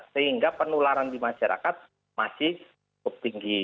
sehingga penularan di masyarakat masih cukup tinggi